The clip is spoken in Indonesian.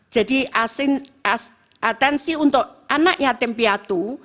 jadi atensi untuk anak yatim piatu